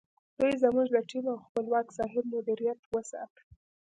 دوی زموږ د ټیم او خپلواک صاحب مدیریت وستایه.